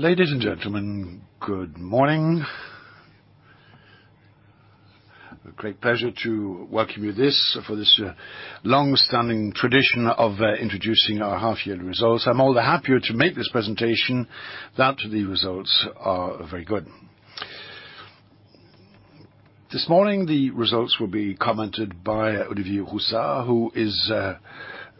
Ladies and gentlemen, good morning. Great pleasure to welcome you for this longstanding tradition of introducing our half-year results. I'm all the happier to make this presentation that the results are very good. This morning, the results will be commented by Olivier Roussat, who is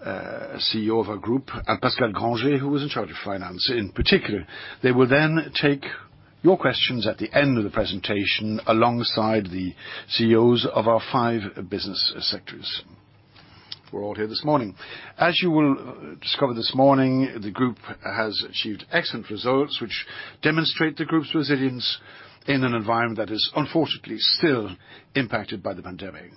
CEO of our group, and Pascal Grangé, who is in charge of finance in particular. They will then take your questions at the end of the presentation alongside the CEOs of our five business sectors who are all here this morning. As you will discover this morning, the group has achieved excellent results, which demonstrate the group's resilience in an environment that is unfortunately still impacted by the pandemic.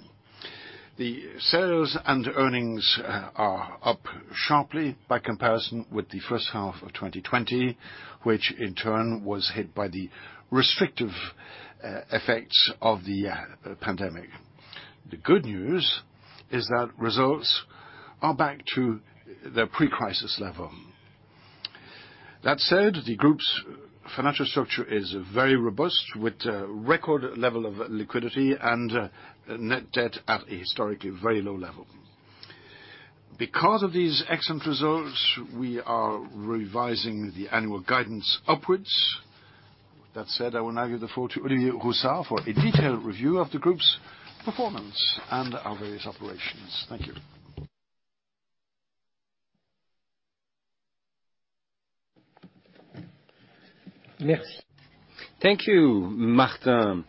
The sales and earnings are up sharply by comparison with the first half of 2020, which in turn was hit by the restrictive effects of the pandemic. The good news is that results are back to their pre-crisis level. That said, the group's financial structure is very robust with a record level of liquidity and net debt at a historically very low level. Because of these excellent results, we are revising the annual guidance upwards. That said, I will now give the floor to Olivier Roussat for a detailed review of the group's performance and our various operations. Thank you. Thank you, Martin.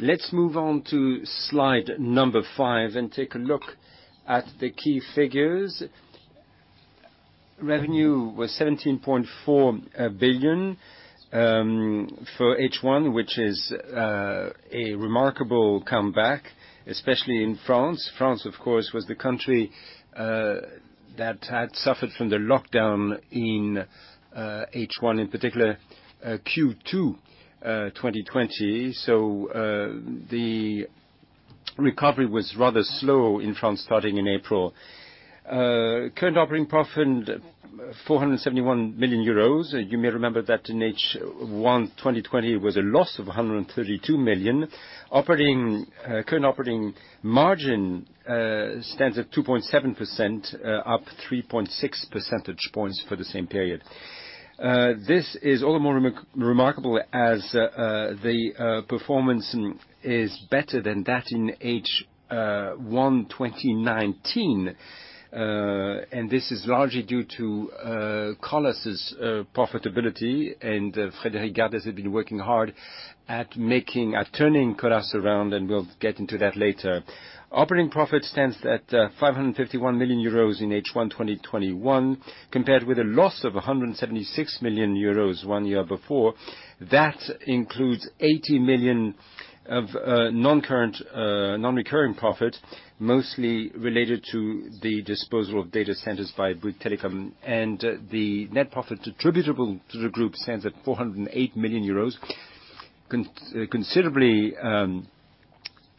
Let's move on to slide number five and take a look at the key figures. Revenue was 17.4 billion for H1, which is a remarkable comeback, especially in France. France, of course, was the country that had suffered from the lockdown in H1, in particular, Q2 2020. The recovery was rather slow in France starting in April. Current operating profit, 471 million euros. You may remember that in H1 2020, it was a loss of 132 million. Current operating margin stands at 2.7%, up 3.6 percentage points for the same period. This is all the more remarkable as the performance is better than that in H1 2019. This is largely due to Colas' profitability, and Frédéric Gardès has been working hard at turning Colas around, and we'll get into that later. Operating profit stands at 551 million euros in H1 2021, compared with a loss of 176 million euros one year before. That includes 80 million of non-recurring profit, mostly related to the disposal of data centers by Bouygues Telecom. The net profit attributable to the group stands at 408 million euros,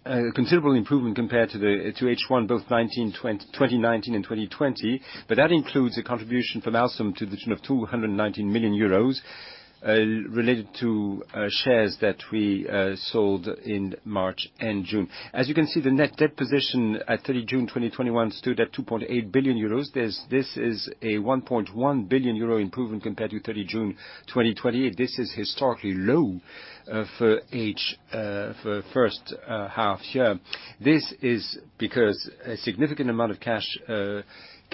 a considerable improvement compared to H1, both 2019 and 2020. That includes a contribution from Alstom to the tune of 219 million euros related to shares that we sold in March and June. As you can see, the net debt position at 30 June 2021 stood at 2.8 billion euros. This is a 1.1 billion euro improvement compared to 30 June 2020. This is historically low for first half year. This is because a significant amount of cash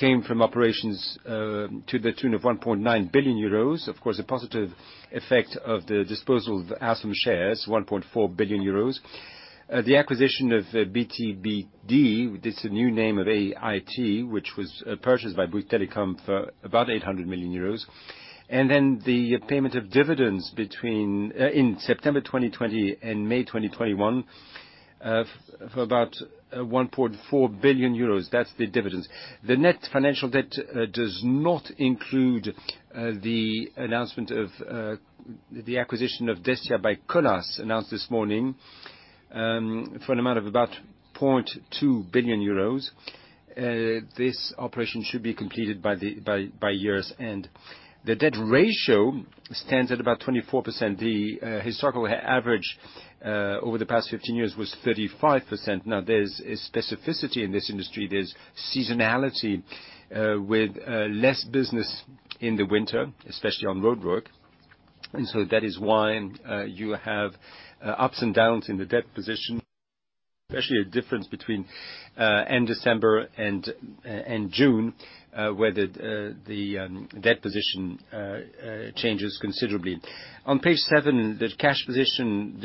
came from operations to the tune of 1.9 billion euros. A positive effect of the disposal of Alstom shares, 1.4 billion euros. The acquisition of BTBD, it's the new name of EIT, which was purchased by Bouygues Telecom for about 800 million euros. The payment of dividends in September 2020 and May 2021 for about 1.4 billion euros. That's the dividends. The net financial debt does not include the announcement of the acquisition of Destia by Colas, announced this morning, for an amount of about 2 billion euros. This operation should be completed by year's end. The debt ratio stands at about 24%. The historical average over the past 15 years was 35%. There's a specificity in this industry. There's seasonality with less business in the winter, especially on roadwork. That is why you have ups and downs in the debt position, especially a difference between end December and June, where the debt position changes considerably. On page 7, the cash position,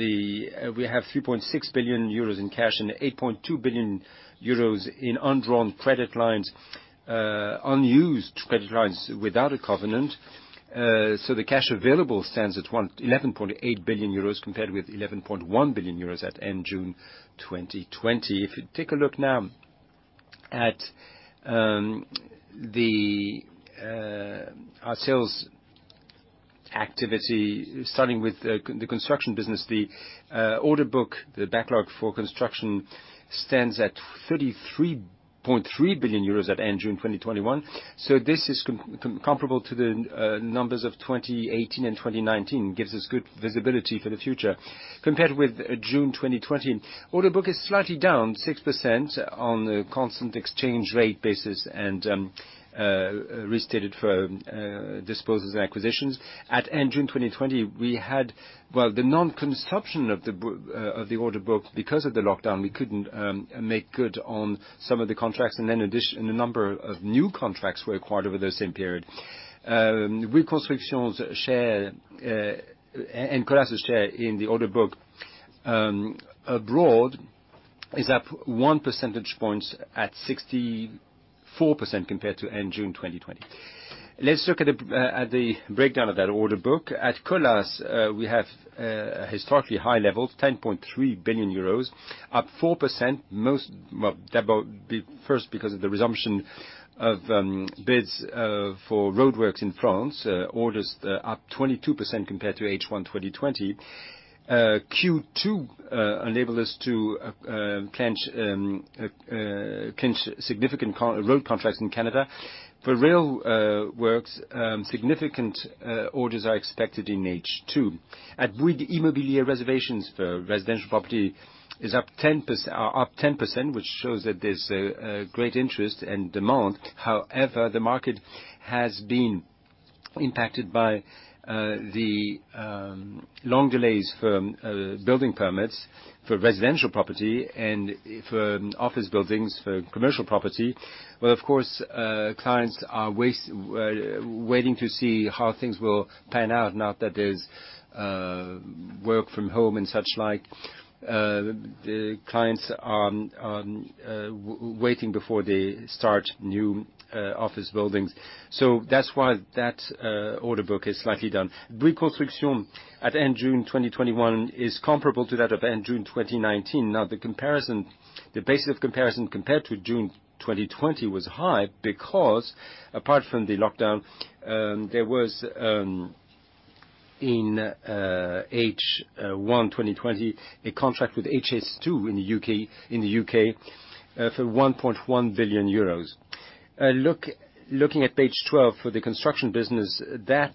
we have 3.6 billion euros in cash and 8.2 billion euros in undrawn credit lines, unused credit lines without a covenant. The cash available stands at 11.8 billion euros compared with 11.1 billion euros at end June 2020. If you take a look now at our sales activity, starting with the construction business. The order book, the backlog for construction, stands at 33.3 billion euros at the end of June 2021. This is comparable to the numbers of 2018 and 2019, gives us good visibility for the future. Compared with June 2020, order book is slightly down 6% on a constant exchange rate basis and restated for disposals and acquisitions. At the end of June 2020, we had the non-consumption of the order book. Because of the lockdown, we couldn't make good on some of the contracts. A number of new contracts were acquired over the same period. Bouygues Construction's share and Colas' share in the order book abroad is up 1 percentage point at 64% compared to end June 2020. Let's look at the breakdown of that order book. At Colas, we have historically high levels, 10.3 billion euros, up 4%, first because of the resumption of bids for roadworks in France. Orders are up 22% compared to H1 2020. Q2 enabled us to clinch significant road contracts in Canada. For rail works, significant orders are expected in H2. At Bouygues Immobilier, reservations for residential property are up 10%, which shows that there's great interest and demand. The market has been impacted by the long delays for building permits for residential property and for office buildings for commercial property, where, of course, clients are waiting to see how things will pan out now that there's work from home and such, like the clients are waiting before they start new office buildings. That's why that order book is slightly down. Bouygues Construction at the end of June 2021 is comparable to that of end June 2019. The basis of comparison compared to June 2020 was high because apart from the lockdown, there was, in H1 2020, a contract with HS2 in the U.K. for 1.1 billion euros. Looking at page 12 for the construction business, that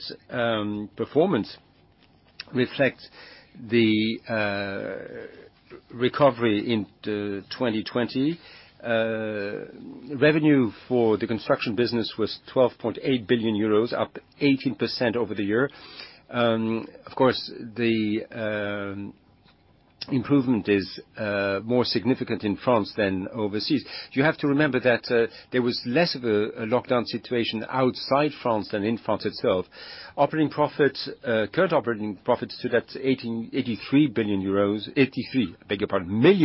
performance reflects the recovery into 2020. Revenue for the construction business was 12.8 billion euros, up 18% over the year. Of course, the improvement is more significant in France than overseas. You have to remember that there was less of a lockdown situation outside France than in France itself. Current operating profits stood at 83 million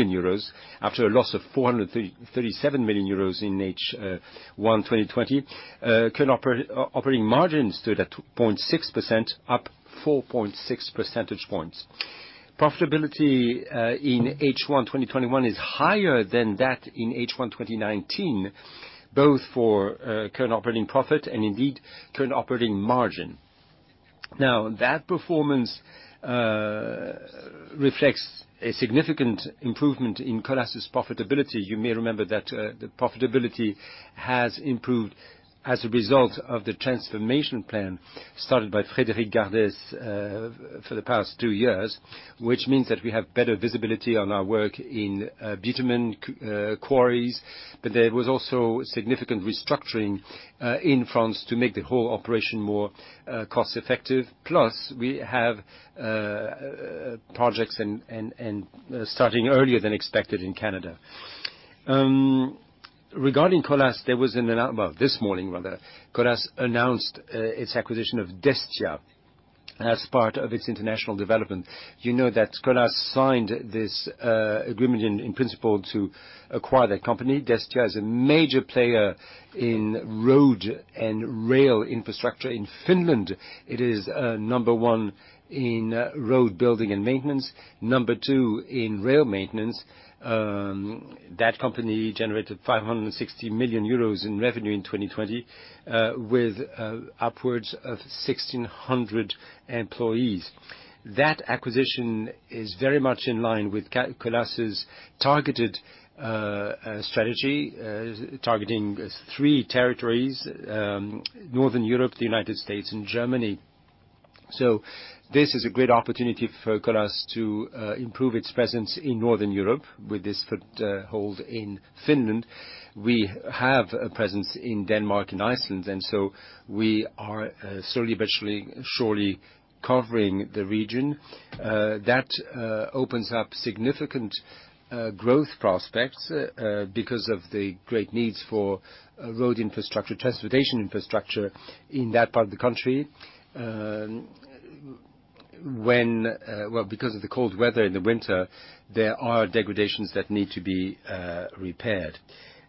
euros after a loss of 437 million euros in H1 2020. Current operating margins stood at 2.6%, up 4.6 percentage points. Profitability in H1 2021 is higher than that in H1 2019, both for current operating profit and indeed current operating margin. That performance reflects a significant improvement in Colas' profitability. You may remember that the profitability has improved as a result of the transformation plan started by Frédéric Gardès for the past two years, which means that we have better visibility on our work in bitumen quarries. There was also significant restructuring in France to make the whole operation more cost-effective. Plus, we have projects starting earlier than expected in Canada. Regarding Colas, this morning, Colas announced its acquisition of Destia as part of its international development. You know that Colas signed this agreement in principle to acquire that company. Destia is a major player in road and rail infrastructure in Finland. It is number one in road building and maintenance, number two in rail maintenance. That company generated 560 million euros in revenue in 2020 with upwards of 1,600 employees. That acquisition is very much in line with Colas' targeted strategy, targeting three territories, Northern Europe, the United States, and Germany. This is a great opportunity for Colas to improve its presence in Northern Europe with this foothold in Finland. We have a presence in Denmark and Iceland, and so we are slowly but surely covering the region. That opens up significant growth prospects because of the great needs for road infrastructure, transportation infrastructure in that part of the country. Because of the cold weather in the winter, there are degradations that need to be repaired.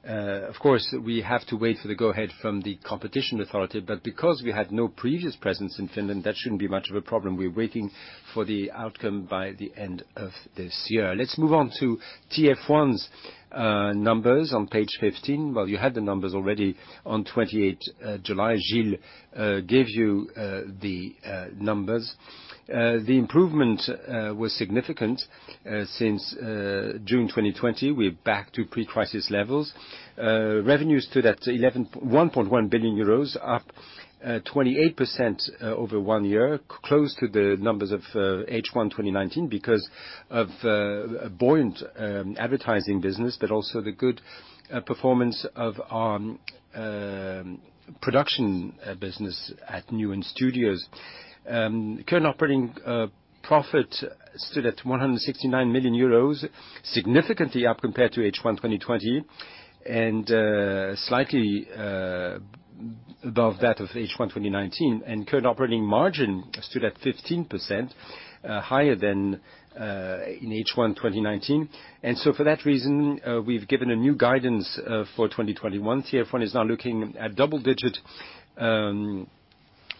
Of course, we have to wait for the go-ahead from the competition authority, but because we had no previous presence in Finland, that shouldn't be much of a problem. We're waiting for the outcome by the end of this year. Let's move on to TF1's numbers on page 15. Well, you had the numbers already on 28 July. Gilles gave you the numbers. The improvement was significant since June 2020. We're back to pre-crisis levels. Revenues stood at 1.1 billion euros, up 28% over one year, close to the numbers of H1 2019 because of a buoyant advertising business, but also the good performance of our production business at Newen Studios. Current operating profit stood at EUE 169 million, significantly up compared to H1 2020, and slightly above that of H1 2019. Current operating margin stood at 15%, higher than in H1 2019. For that reason, we've given a new guidance for 2021. TF1 is now looking at double-digit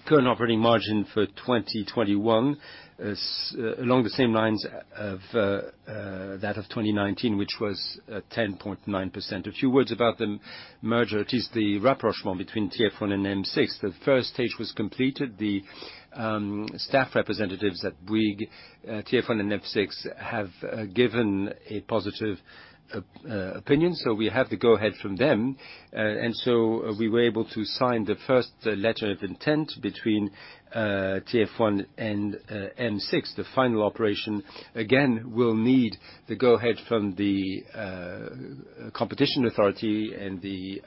current operating margin for 2021, along the same lines of that of 2019, which was 10.9%. A few words about the merger. It is the rapprochement between TF1 and M6. The first stage was completed. The staff representatives at Bouygues, TF1, and M6 have given a positive opinion, so we have the go-ahead from them. We were able to sign the first letter of intent between TF1 and M6. The final operation, again, will need the go-ahead from the competition authority and the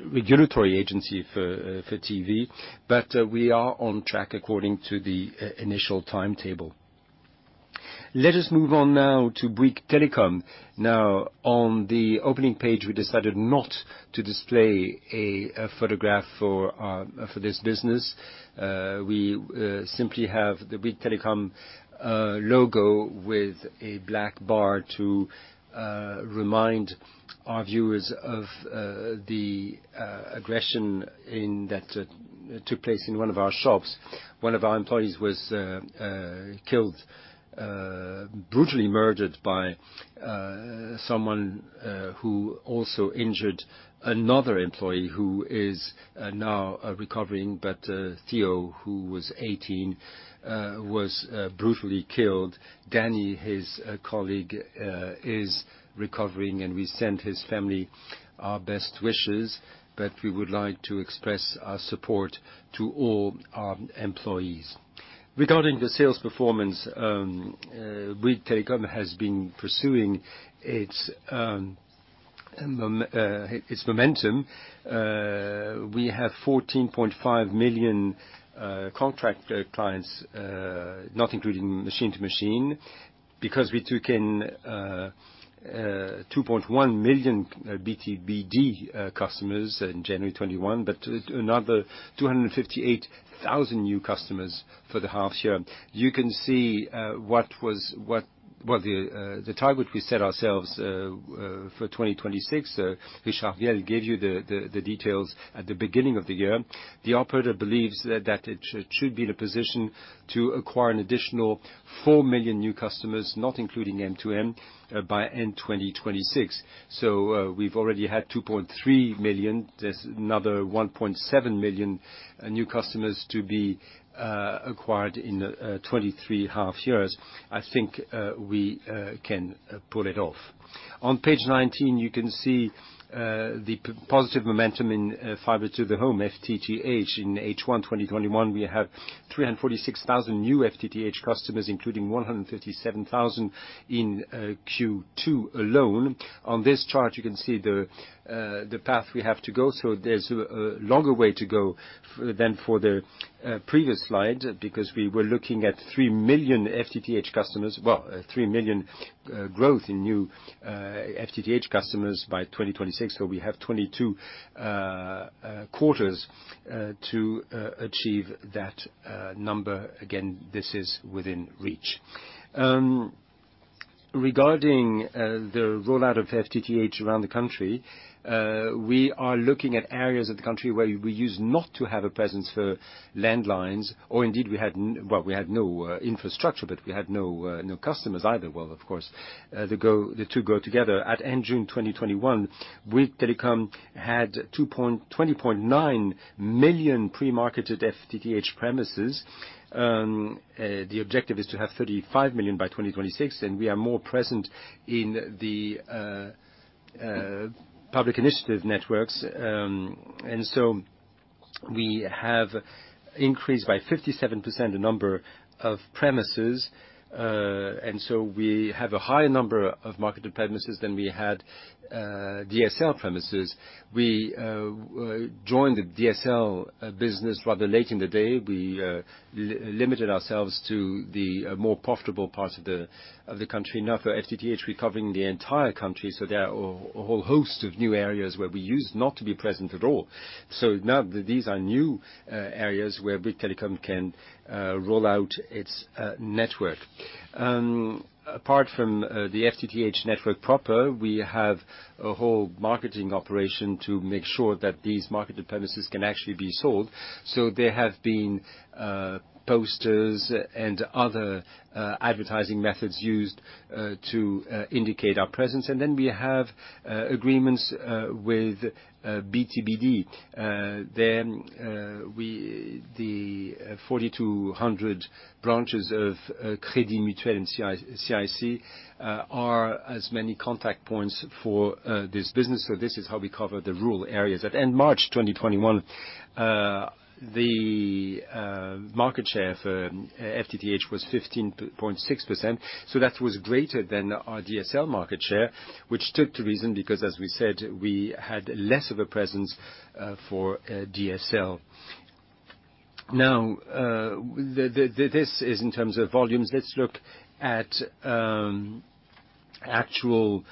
regulatory agency for TV. We are on track according to the initial timetable. Let us move on now to Bouygues Telecom. On the opening page, we decided not to display a photograph for this business. We simply have the Bouygues Telecom logo with a black bar to remind our viewers of the aggression that took place in one of our shops. One of our employees was killed, brutally murdered by someone who also injured another employee who is now recovering. Théo, who was 18, was brutally killed. Danny, his colleague, is recovering, and we send his family our best wishes. We would like to express our support to all our employees. Regarding the sales performance, Bouygues Telecom has been pursuing its momentum. We have 14.5 million contract clients, not including machine-to-machine, because we took in 2.1 million BTBD customers in January 2021, another 258,000 new customers for the half year. You can see the target we set ourselves for 2026. Richard Viel gave you the details at the beginning of the year. The operator believes that it should be in a position to acquire an additional 4 million new customers, not including M2M, by end 2026. We've already had 2.3 million. There's another 1.7 million new customers to be acquired in 2023 [fiscal] years. I think we can pull it off. On page 19, you can see the positive momentum in fiber to the home, FTTH. In H1 2021, we have 346,000 new FTTH customers, including 137,000 in Q2 alone. On this chart, you can see the path we have to go. There's a longer way to go than for the previous slide because we were looking at 3 million FTTH customers. Well, 3 million growth in new FTTH customers by 2026. We have 22 quarters to achieve that number. Again, this is within reach. Regarding the rollout of FTTH around the country, we are looking at areas of the country where we used not to have a presence for landlines, or indeed we had no infrastructure, but we had no customers either. Well, of course, the two go together. At end June 2021, Bouygues Telecom had 20.9 million pre-marketed FTTH premises. The objective is to have 35 million by 2026, we are more present in the public initiative networks. We have increased by 57% the number of premises, and so we have a higher number of marketed premises than we had DSL premises. We joined the DSL business rather late in the day. We limited ourselves to the more profitable part of the country. For FTTH, we're covering the entire country. There are a whole host of new areas where we used not to be present at all. These are new areas where Bouygues Telecom can roll out its network. Apart from the FTTH network proper, we have a whole marketing operation to make sure that these marketed premises can actually be sold. There have been posters and other advertising methods used to indicate our presence. We have agreements with BTBD. The 4,200 branches of Crédit Mutuel and CIC are as many contact points for this business. This is how we cover the rural areas. At end March 2021, the market share for FTTH was 15.6%. That was greater than our DSL market share, which stood to reason because, as we said, we had less of a presence for DSL. This is in terms of volumes. Let's look at actual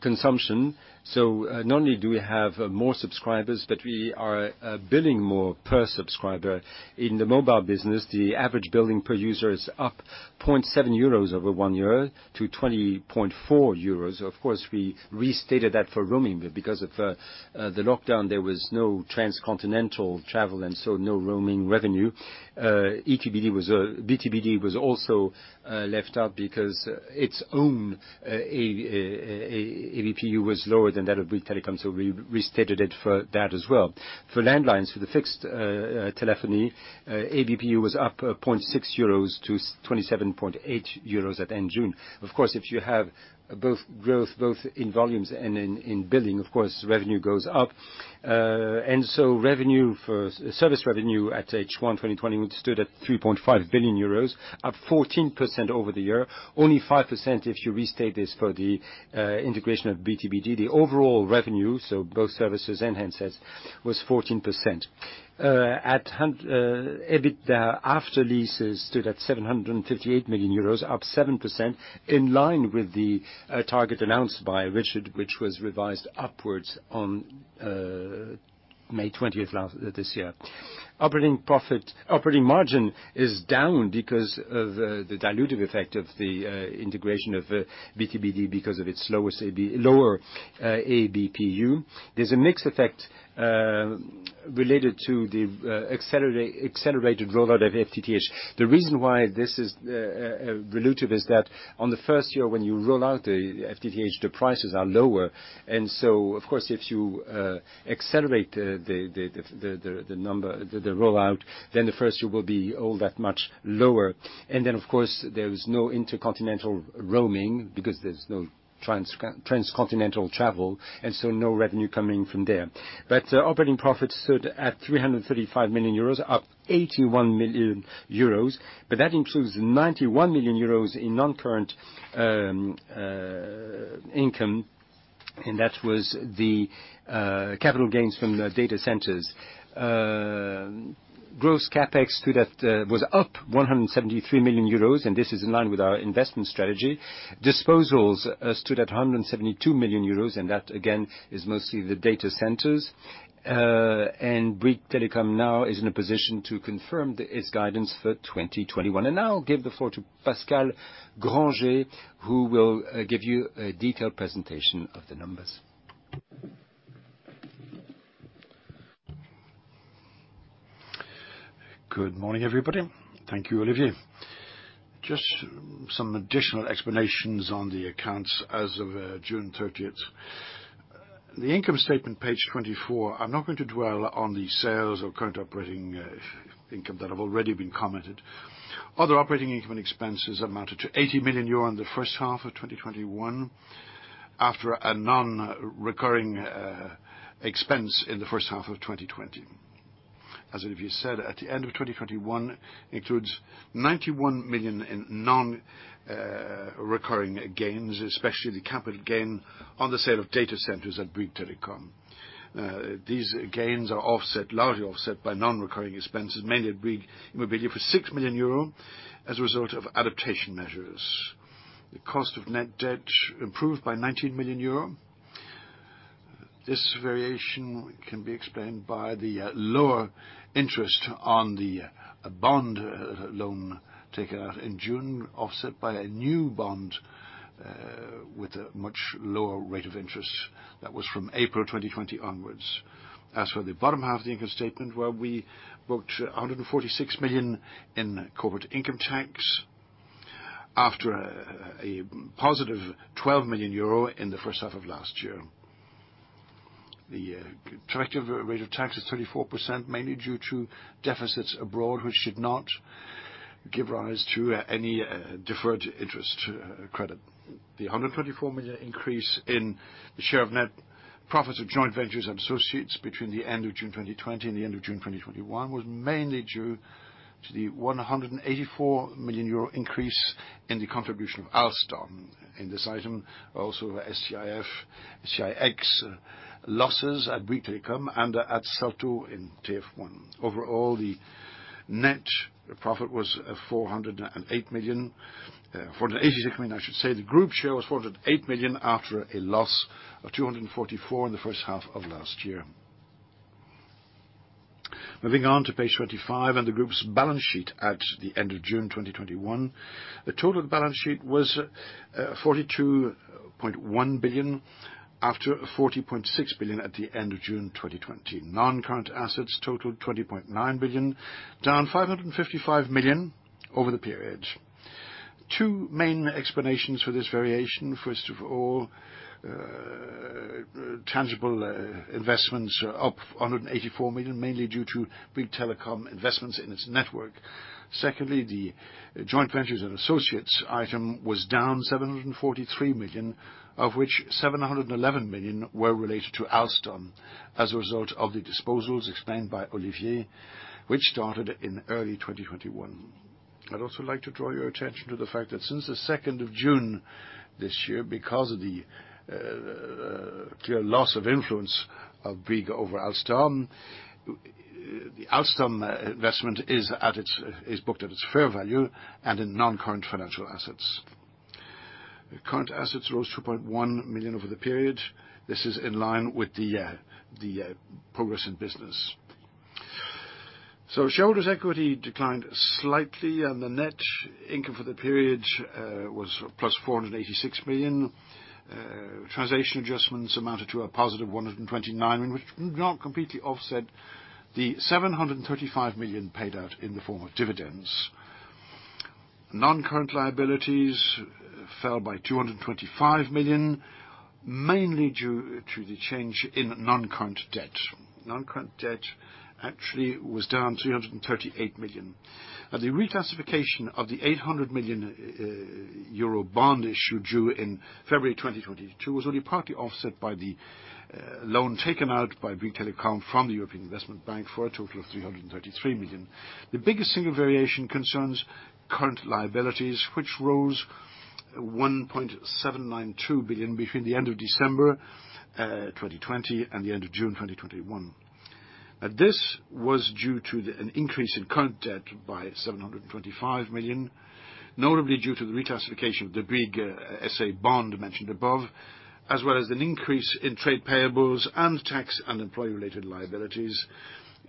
consumption. Not only do we have more subscribers, but we are billing more per subscriber. In the mobile business, the average billing per user is up 0.7 euros over one year to 20.4 euros. Of course, we restated that for roaming. Because of the lockdown, there was no transcontinental travel and so no roaming revenue. BTBD was also left out because its own ABPU was lower than that of Bouygues Telecom, so we restated it for that as well. For landlines, for the fixed telephony, ABPU was up 0.6 euros to 27.8 euros at end June. Of course, if you have growth both in volumes and in billing, of course revenue goes up. Service revenue at H1 2020 stood at 3.5 billion euros, up 14% over the year. Only 5% if you restate this for the integration of BTBD. The overall revenue, so both services and handsets, was 14%. At EBIT after leases stood at 758 million euros, up 7%, in line with the target announced by Richard, which was revised upwards on May 20th this year. Operating margin is down because of the dilutive effect of the integration of BTBD, because of its lower ABPU. There's a mix effect related to the accelerated rollout of FTTH. The reason why this is dilutive is that on the first year when you roll out the FTTH, the prices are lower. Of course, if you accelerate the rollout, then the first year will be all that much lower. Of course, there's no intercontinental roaming because there's no transcontinental travel, and so no revenue coming from there. Operating profits stood at 335 million euros, up 81 million euros. That includes 91 million euros in non-current income, and that was the capital gains from the data centers. Gross CapEx was up 173 million euros, and this is in line with our investment strategy. Disposals stood at 172 million euros, and that, again, is mostly the data centers. Bouygues Telecom now is in a position to confirm its guidance for 2021. Now I'll give the floor to Pascal Grangé, who will give you a detailed presentation of the numbers. Good morning, everybody. Thank you, Olivier. Just some additional explanations on the accounts as of June 30th. The income statement, page 24. I'm not going to dwell on the sales or current operating income that have already been commented. Other operating income and expenses amounted to 80 million euro in the first half of 2021, after a non-recurring expense in the first half of 2020. As Olivier said, at the end of 2021 includes 91 million in non-recurring gains, especially the capital gain on the sale of data centers at Bouygues Telecom. These gains are largely offset by non-recurring expenses, mainly at Bouygues Immobilier for 6 million euro as a result of adaptation measures. The cost of net debt improved by 19 million euro. This variation can be explained by the lower interest on the bond loan taken out in June, offset by a new bond with a much lower rate of interest. That was from April 2020 onwards. As for the bottom half of the income statement, where we booked 146 million in corporate income tax after a +12 million euro in the first half of last year. The effective tax rate is 34%, mainly due to deficits abroad, which should not give rise to any deferred interest credit. The 124 million increase in the share of net profits of joint ventures and associates between the end of June 2020 and the end of June 2021 was mainly due to the 184 million euro increase in the contribution of Alstom in this item. Also, SDAIF, Cellnex losses at Bouygues Telecom and at Salto in TF1. Overall, the net profit was 486 million. The group share was 408 million after a loss of 244 million in the first half of last year. Moving on to page 25 and the group's balance sheet at the end of June 2021. The total balance sheet was 42.1 billion after 40.6 billion at the end of June 2020. Non-current assets totaled 20.9 billion, down 555 million over the period. Two main explanations for this variation. First of all, tangible investments are up 184 million, mainly due to Bouygues Telecom investments in its network. Secondly, the joint ventures and associates item was down 743 million, of which 711 million were related to Alstom as a result of the disposals explained by Olivier, which started in early 2021. I'd also like to draw your attention to the fact that since the 2nd of June this year, because of the clear loss of influence of Bouygues over Alstom, the Alstom investment is booked at its fair value and in non-current financial assets. Current assets rose 2.1 million over the period. This is in line with the progress in business. Shareholders' equity declined slightly, and the net income for the period was +486 million. Translation adjustments amounted to a +129 million, which did not completely offset the 735 million paid out in the form of dividends. Non-current liabilities fell by 225 million, mainly due to the change in non-current debt. Non-current debt actually was down 338 million, and the reclassification of the 800 million Eurobond issue due in February 2022 was only partly offset by the loan taken out by Bouygues Telecom from the European Investment Bank for a total of 333 million. The biggest single variation concerns current liabilities, which rose 1.792 billion between the end of December 2020 and the end of June 2021. This was due to an increase in current debt by 725 million, notably due to the reclassification of the Bouygues SA bond mentioned above, as well as an increase in trade payables and tax and employee-related liabilities,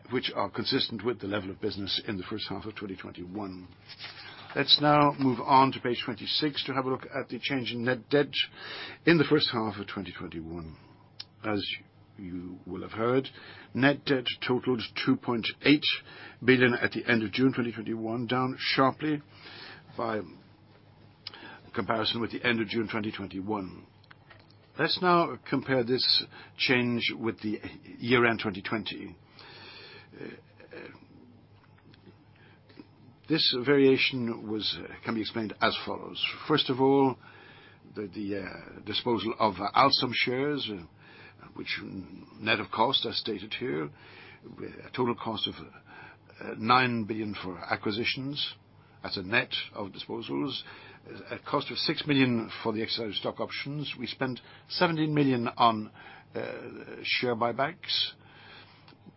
which are consistent with the level of business in the first half of 2021. Let's now move on to page 26 to have a look at the change in net debt in the first half of 2021. As you will have heard, net debt totaled 2.8 billion at the end of June 2021, down sharply by comparison. Let's now compare this change with the year-end 2020. This variation can be explained as follows. First of all, the disposal of Alstom shares, which net of cost, as stated here, a total cost of [0.9 billion] for acquisitions. That's a net of disposals. A cost of 60 million for the exercise of stock options. We spent 70 million on share buybacks.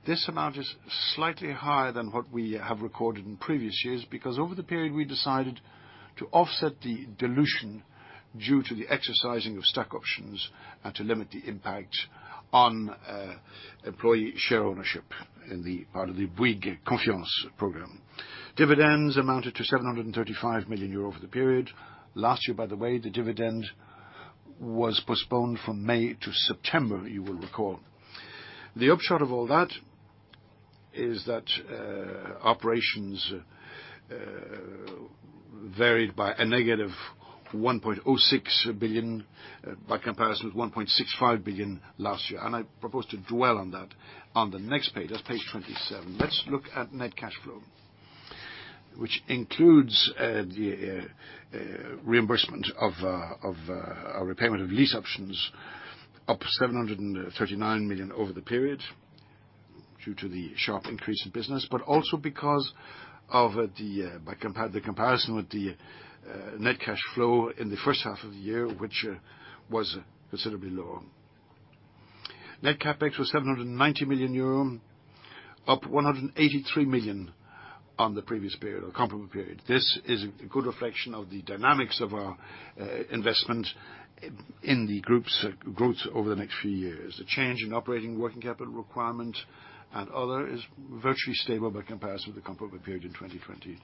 This amount is slightly higher than what we have recorded in previous years because over the period, we decided to offset the dilution due to the exercising of stock options and to limit the impact on employee share ownership in the part of the Bouygues Confiance program. Dividends amounted to 735 million euro over the period. Last year, by the way, the dividend was postponed from May to September, you will recall. The upshot of all that is that operations varied by a -1.06 billion by comparison with 1.65 billion last year. I propose to dwell on that on the next page. That is page 27. Let's look at net cash flow, which includes the reimbursement of a repayment of lease options up 739 million over the period due to the sharp increase in business, but also because of the comparison with the net cash flow in the first half of the year, which was considerably lower. Net CapEx was 790 million euro, up 183 million on the previous period or comparable period. This is a good reflection of the dynamics of our investment in the group's growth over the next few years. The change in operating working capital requirement and other is virtually stable by comparison with the comparable period in 2020.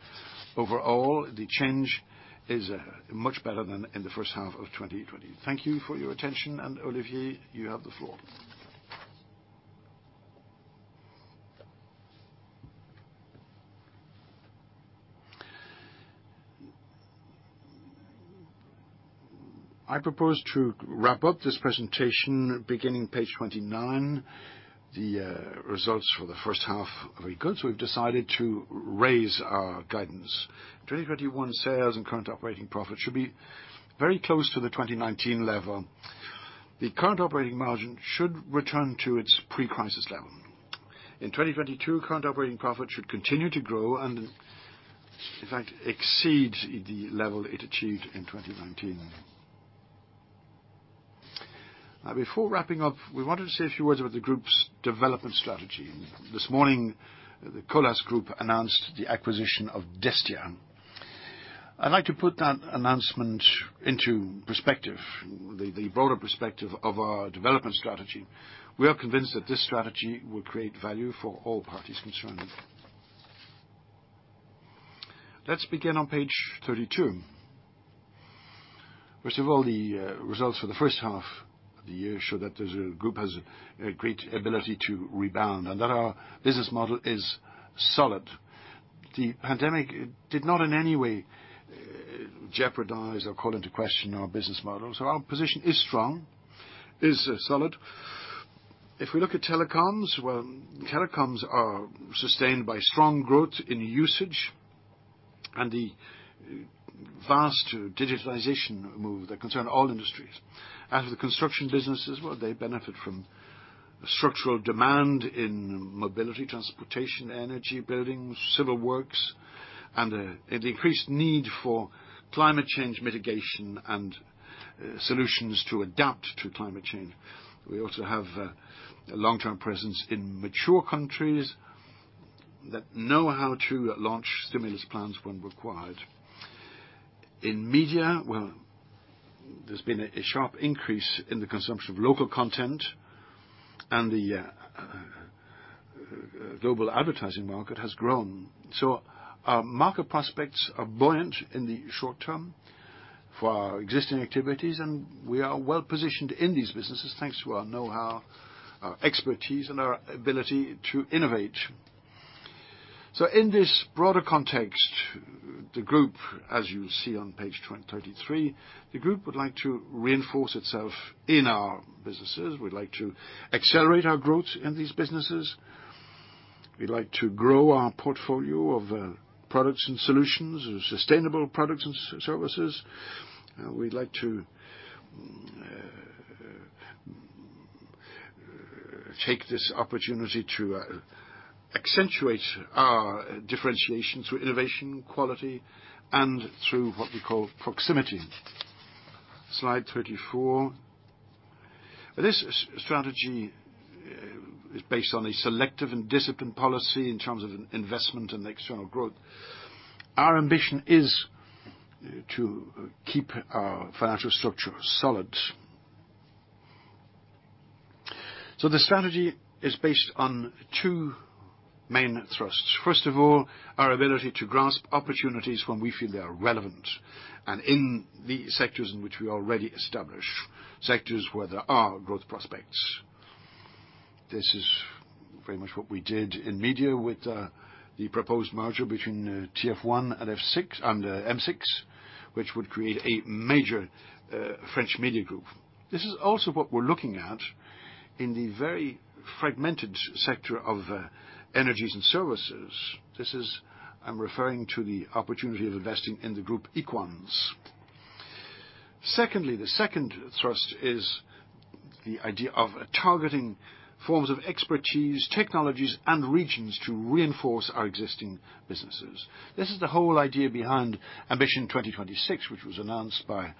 Overall, the change is much better than in the first half of 2020. Thank you for your attention. Olivier, you have the floor. I propose to wrap up this presentation beginning page 29. The results for the first half are very good. We've decided to raise our guidance. 2021 sales and current operating profit should be very close to the 2019 level. The current operating margin should return to its pre-crisis level. In 2022, current operating profit should continue to grow and in fact exceed the level it achieved in 2019. Before wrapping up, we wanted to say a few words about the group's development strategy. This morning, the Colas group announced the acquisition of Destia. I'd like to put that announcement into perspective, the broader perspective of our development strategy. We are convinced that this strategy will create value for all parties concerned. Let's begin on page 32. First of all, the results for the first half of the year show that the group has a great ability to rebound and that our business model is solid. The pandemic did not in any way jeopardize or call into question our business model. Our position is strong, is solid. If we look at telecoms, well, telecoms are sustained by strong growth in usage and the vast digitalization move that concern all industries. As for the construction businesses, well, they benefit from structural demand in mobility, transportation, energy, buildings, civil works, and an increased need for climate change mitigation and solutions to adapt to climate change. We also have a long-term presence in mature countries that know how to launch stimulus plans when required. In media, well, there's been a sharp increase in the consumption of local content and the global advertising market has grown. Our market prospects are buoyant in the short term for our existing activities, and we are well-positioned in these businesses thanks to our know-how, our expertise, and our ability to innovate. In this broader context, the group, as you see on page 33, the group would like to reinforce itself in our businesses. We'd like to accelerate our growth in these businesses. We'd like to grow our portfolio of products and solutions, sustainable products and services. We'd like to take this opportunity to accentuate our differentiation through innovation, quality, and through what we call proximity. Slide 34. This strategy is based on a selective and disciplined policy in terms of investment and external growth. Our ambition is to keep our financial structure solid. The strategy is based on two main thrusts. First of all, our ability to grasp opportunities when we feel they are relevant and in the sectors in which we are already established, sectors where there are growth prospects. This is very much what we did in media with the proposed merger between TF1 and M6, which would create a major French media group. This is also what we're looking at in the very fragmented sector of energies and services. I'm referring to the opportunity of investing in the group Equans. Secondly, the second thrust is the idea of targeting forms of expertise, technologies, and regions to reinforce our existing businesses. This is the whole idea behind Ambition 2026, which was announced by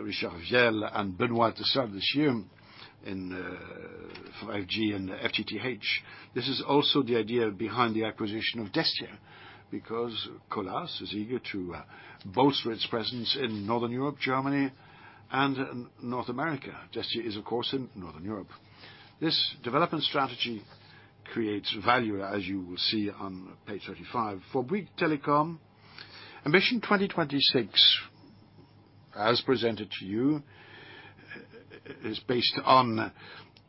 Richard Viel and Benoît Torloting this year in 5G and FTTH. This is also the idea behind the acquisition of Destia, because Colas is eager to bolster its presence in Northern Europe, Germany, and North America. Destia is, of course, in Northern Europe. This development strategy creates value, as you will see on page 35. For Bouygues Telecom, Ambition 2026, as presented to you, is based on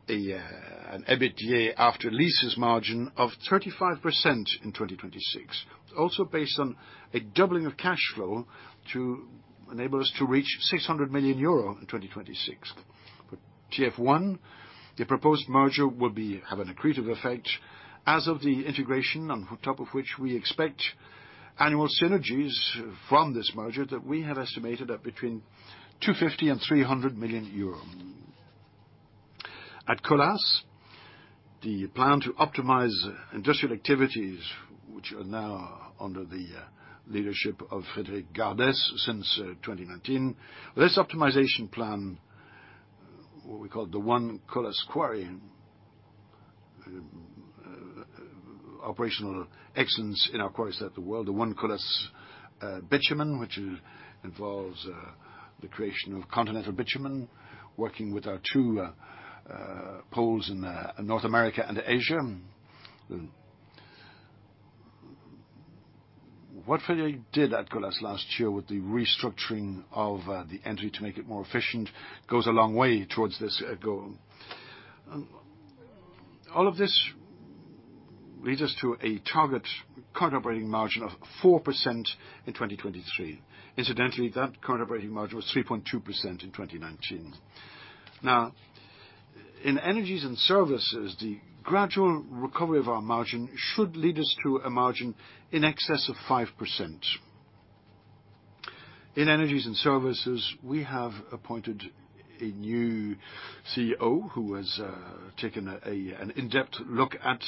an EBITDA after leases margin of 35% in 2026. It is also based on a doubling of cash flow to enable us to reach 600 million euro in 2026. For TF1, the proposed merger will have an accretive effect as of the integration, on top of which we expect annual synergies from this merger that we have estimated at between 250 million and 300 million euro. At Colas, the plan to optimize industrial activities, which are now under the leadership of Frédéric Gardès since 2019. This optimization plan, what we call the One Colas Quarry operational excellence in our quarries at the world. The One Colas Bitumen, which involves the creation of Continental Bitumen, working with our two poles in North America and Asia. What Frederic did at Colas last year with the restructuring of the entry to make it more efficient goes a long way towards this goal. All of this leads us to a target current operating margin of 4% in 2023. Incidentally, that current operating margin was 3.2% in 2019. In energies and services, the gradual recovery of our margin should lead us to a margin in excess of 5%. In energies and services, we have appointed a new CEO who has taken an in-depth look at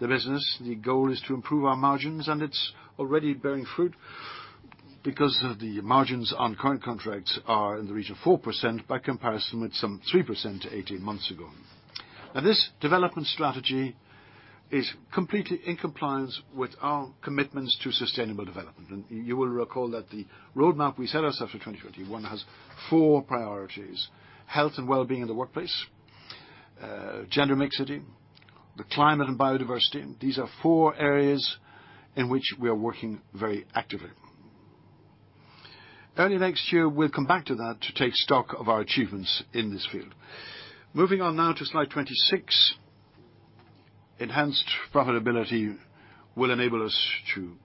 the business. The goal is to improve our margins, and it's already bearing fruit because the margins on current contracts are in the region of 4%, by comparison with some 3% to 18 months ago. This development strategy is completely in compliance with our commitments to sustainable development. You will recall that the roadmap we set ourselves for 2021 has four priorities. Health and wellbeing in the workplace, gender mixity, the climate, and biodiversity. These are four areas in which we are working very actively. Early next year, we'll come back to that to take stock of our achievements in this field. Moving on now to slide 26. Enhanced profitability will enable us to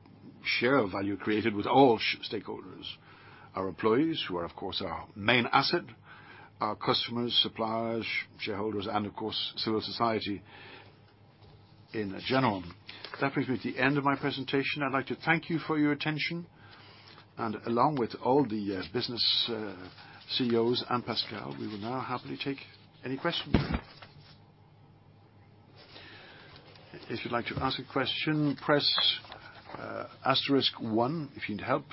share a value created with all stakeholders, our employees, who are, of course, our main asset, our customers, suppliers, shareholders and of course, civil society in general. That brings me to the end of my presentation. I'd like to thank you for your attention, and along with all the business CEOs and Pascal, we will now happily take any questions. If you'd like to ask a question, press asterisk one. If you need help,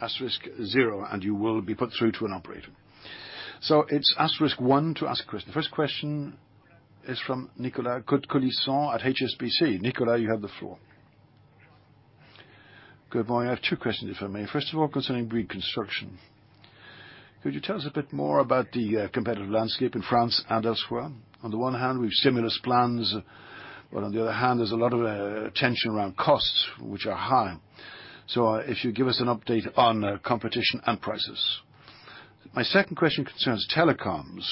asterisk zero and you will be put through to an operator. It's asterisk one to ask a question. The first question is from Nicolas Cote-Colisson at HSBC. Nicolas, you have the floor. Good morning. I have two questions, if I may. First of all, concerning the construction. Could you tell us a bit more about the competitive landscape in France and elsewhere? On one hand, the stimulus plans, on the other hand, there's a lot of tension around costs, which are high. If you give us an update on competition and prices. My second question concerns telecoms.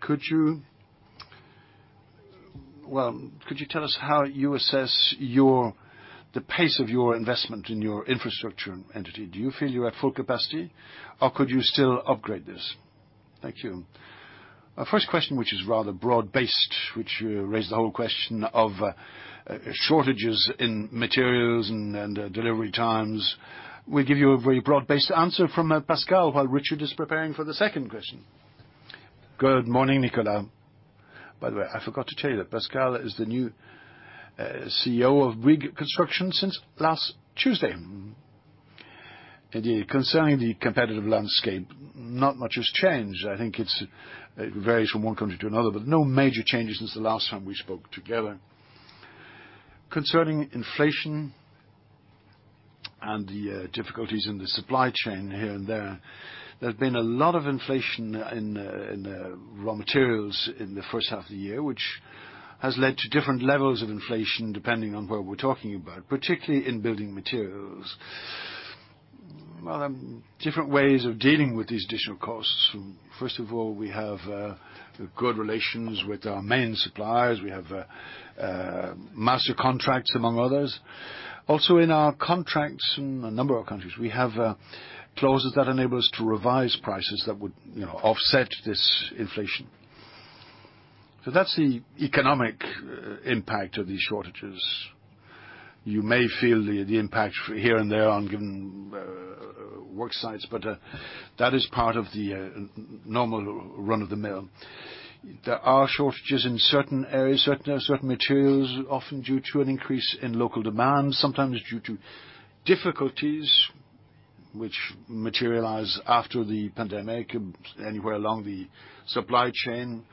Could you tell us how you assess the pace of your investment in your infrastructure entity? Do you feel you're at full capacity, or could you still upgrade this? Thank you. Our first question, which is rather broad-based, which raised the whole question of shortages in materials and delivery times. We give you a very broad-based answer from Pascal Grangé while Richard Viel is preparing for the second question. Good morning, Nicolas. By the way, I forgot to tell you that Pascal is the new CEO of Bouygues Construction since last Tuesday. Concerning the competitive landscape, not much has changed. I think it varies from one country to another, but no major changes since the last time we spoke together. Concerning inflation and the difficulties in the supply chain here and there's been a lot of inflation in raw materials in the first half of the year, which has led to different levels of inflation, depending on where we're talking about, particularly in building materials. Different ways of dealing with these additional costs. First of all, we have good relations with our main suppliers. We have master contracts, among others. In our contracts in a number of countries, we have clauses that enable us to revise prices that would offset this inflation. That's the economic impact of these shortages. You may feel the impact here and there on given work sites, but that is part of the normal run-of-the-mill. There are shortages in certain areas, certain materials, often due to an increase in local demand, sometimes due to difficulties which materialize after the pandemic anywhere along the supply chain.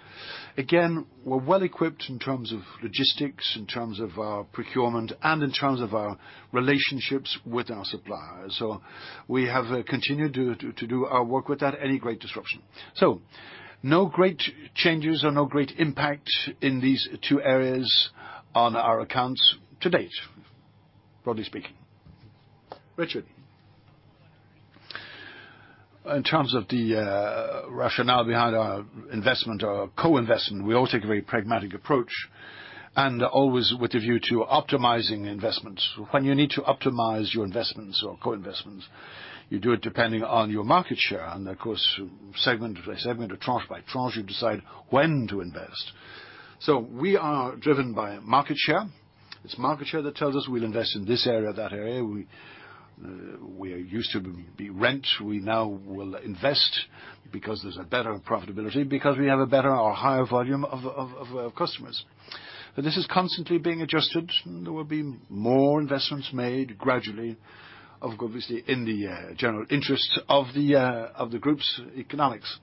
Again, we're well equipped in terms of logistics, in terms of our procurement, and in terms of our relationships with our suppliers. We have continued to do our work without any great disruption. No great changes or no great impact in these two areas on our accounts to date, broadly speaking. Richard. In terms of the rationale behind our investment or co-investment, we always take a very pragmatic approach and always with a view to optimizing investments. When you need to optimize your investments or co-investments, you do it depending on your market share. Of course, segment by segment or tranche by tranche, you decide when to invest. We are driven by market share. It's market share that tells us we'll invest in this area, that area. We used to be rent, we now will invest because there's a better profitability, because we have a better or higher volume of customers. This is constantly being adjusted. There will be more investments made gradually, obviously, in the general interest of the group's economics.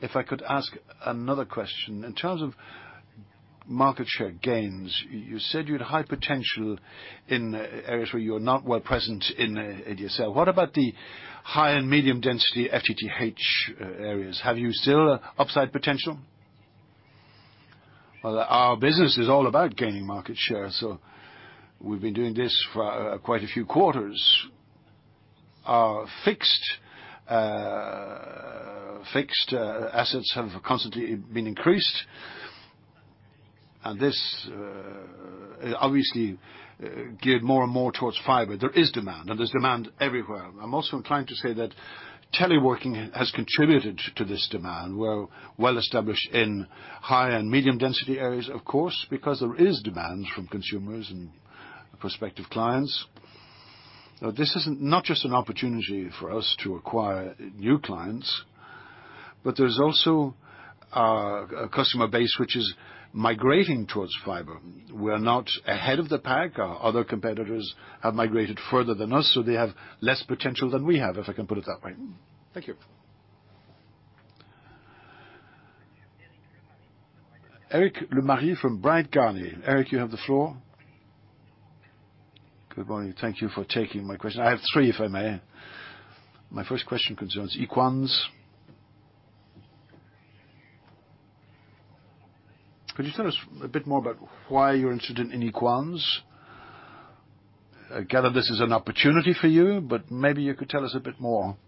If I could ask another question. In terms of market share gains, you said you had high potential in areas where you're not well present in DSL. What about the high and medium density FTTH areas? Have you still upside potential? Well, our business is all about gaining market share, so we've been doing this for quite a few quarters. Our fixed assets have constantly been increased, and this obviously geared more and more towards fiber. There is demand, and there's demand everywhere. I'm also inclined to say that teleworking has contributed to this demand. We're well-established in high and medium-density areas, of course, because there is demand from consumers and prospective clients. This is not just an opportunity for us to acquire new clients, but there's also a customer base which is migrating towards fiber. We are not ahead of the pack. Other competitors have migrated further than us, so they have less potential than we have, if I can put it that way. Thank you. Eric Lemarié from Bryan Garnier. Eric, you have the floor. Good morning. Thank you for taking my question. I have three, if I may. My first question concerns Equans. Could you tell us a bit more about why you're interested in Equans? I gather this is an opportunity for you, but maybe you could tell us a bit more.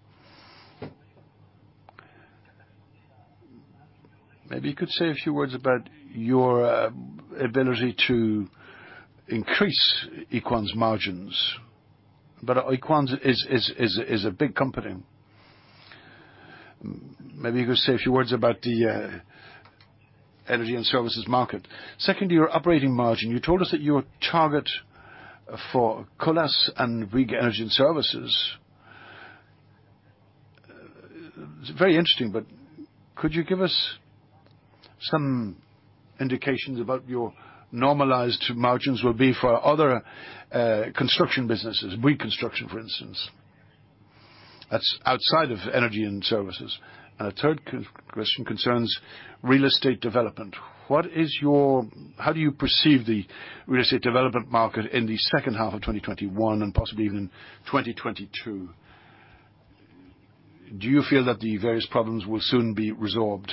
Maybe you could say a few words about your ability to increase Equans' margins. Equans is a big company. Maybe you could say a few words about the energy and services market. Second, to your operating margin. You told us that your target for Colas and Bouygues Energies and Services. It's very interesting, but could you give us some indications about your normalized margins will be for other construction businesses, reconstruction, for instance, that's outside of energies and services. A third question concerns real estate development. How do you perceive the real estate development market in the second half of 2021 and possibly even in 2022? Do you feel that the various problems will soon be resolved?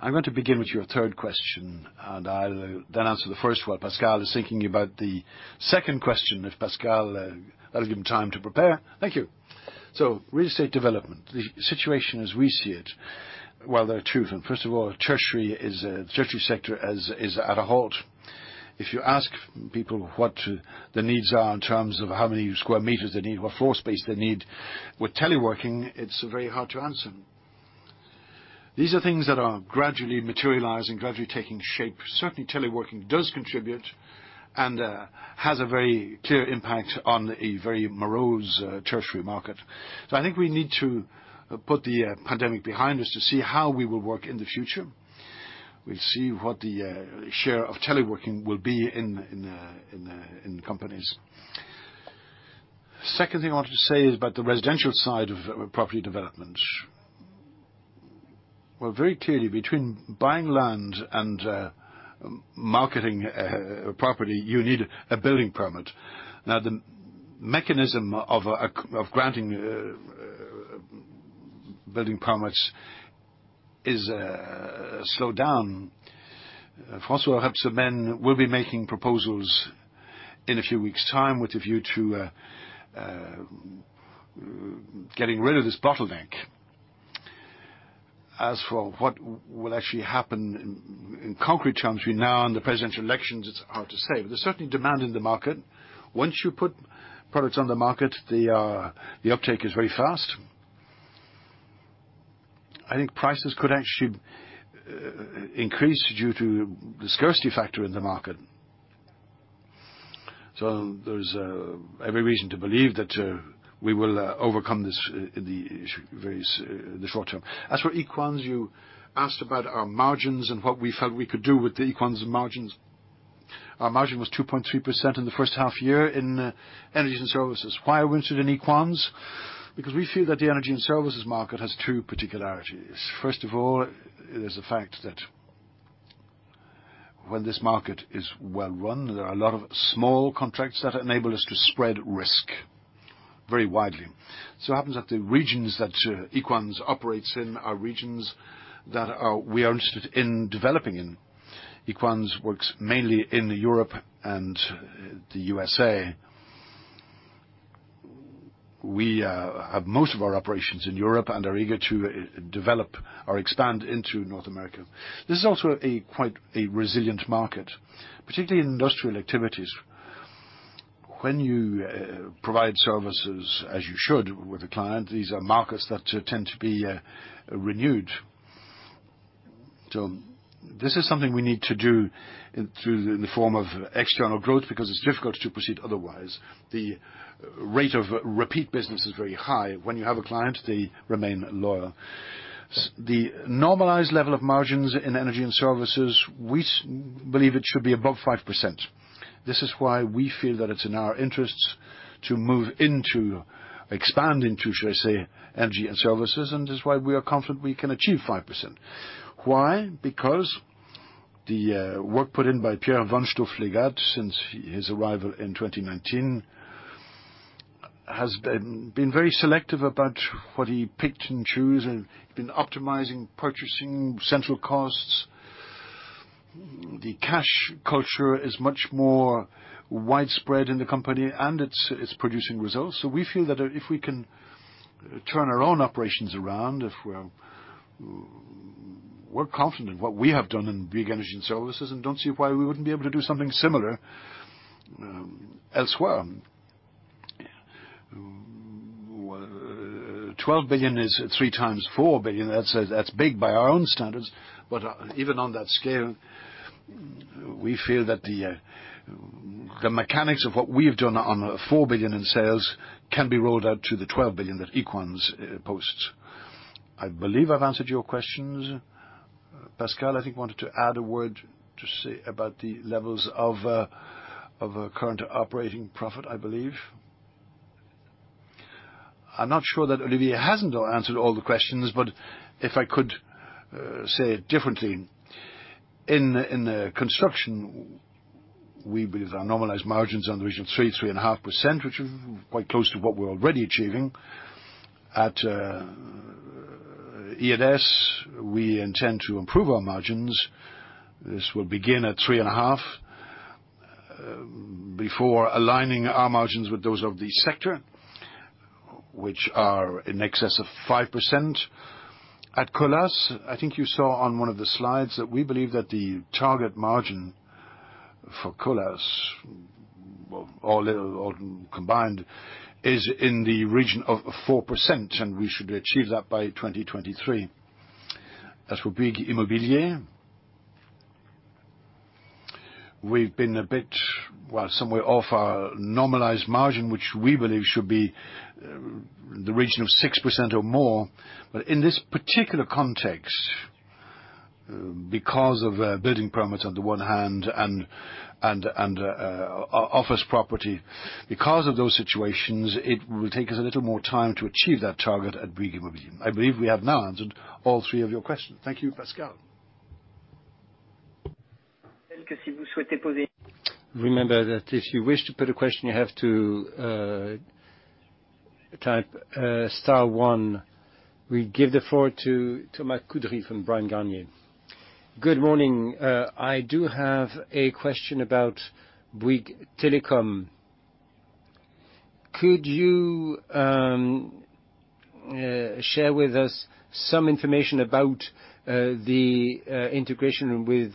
I'm going to begin with your third question, and I'll then answer the first while Pascal is thinking about the second question. If Pascal, that'll give him time to prepare. Thank you. Real estate development, the situation as we see it, well, there are two of them. First of all, the tertiary sector is at a halt. If you ask people what the needs are in terms of how many square meters they need, what floor space they need with teleworking, it's very hard to answer. These are things that are gradually materializing, gradually taking shape. Certainly, teleworking does contribute and has a very clear impact on a very morose tertiary market. I think we need to put the pandemic behind us to see how we will work in the future. We'll see what the share of teleworking will be in companies. Second thing I wanted to say is about the residential side of property development. Well, very clearly, between buying land and marketing a property, you need a building permit. The mechanism of granting building permits is slowed down. François Rebsamen will be making proposals in a few weeks' time with a view to getting rid of this bottleneck. As for what will actually happen in concrete terms between now and the presidential elections, it's hard to say. There's certainly demand in the market. Once you put products on the market, the uptake is very fast. I think prices could actually increase due to the scarcity factor in the market. There is every reason to believe that we will overcome this in the short-term. As for Equans, you asked about our margins and what we felt we could do with the Equans margins. Our margin was 2.3% in the first half year in energies and services. Why are we interested in Equans? Because we feel that the energies and services market has two particularities. First of all, there's the fact that when this market is well run, there are a lot of small contracts that enable us to spread risk very widely. It happens that the regions that Equans operates in are regions that we are interested in developing in. Equans works mainly in Europe and the U.S.A. We have most of our operations in Europe and are eager to develop or expand into North America. This is also quite a resilient market, particularly in industrial activities. When you provide services as you should with a client, these are markets that tend to be renewed. This is something we need to do through in the form of external growth because it's difficult to proceed otherwise. The rate of repeat business is very high. When you have a client, they remain loyal. The normalized level of margins in energies and services, we believe it should be above 5%. This is why we feel that it's in our interests to move into, expand into, should I say, energies and services, and this is why we are confident we can achieve 5%. Why? Because the work put in by Pierre Vanstoflegatte since his arrival in 2019, has been very selective about what he picked and choose, and been optimizing purchasing central costs. The cash culture is much more widespread in the company, it's producing results. We feel that if we can turn our own operations around, we're confident in what we have done in big energies and services and don't see why we wouldn't be able to do something similar elsewhere. 12 billion is 3x of 4 billion. That's big by our own standards, but even on that scale, we feel that the mechanics of what we've done on 4 billion in sales can be rolled out to the 12 billion that Equans posts. I believe I've answered your questions. Pascal, I think, wanted to add a word to say about the levels of current operating profit, I believe. I'm not sure that Olivier hasn't answered all the questions, but if I could say it differently, in construction, we believe our normalized margins are in the region of 3%-3.5%, which is quite close to what we're already achieving. At E&S, we intend to improve our margins. This will begin at 3.5% before aligning our margins with those of the sector, which are in excess of 5%. At Colas, I think you saw on one of the slides that we believe that the target margin for Colas, all combined, is in the region of 4%, and we should achieve that by 2023. As for Bouygues Immobilier, we've been somewhat off our normalized margin, which we believe should be in the region of 6% or more. In this particular context, because of building permits on the one hand and office property, because of those situations, it will take us a little more time to achieve that target at Bouygues Immobilier. I believe we have now answered all three of your questions. Thank you. Pascal. Remember that if you wish to put a question, you have to type star one. We give the floor to Thomas Coudry from Bryan Garnier. Good morning. I do have a question about Bouygues Telecom. Could you share with us some information about the integration with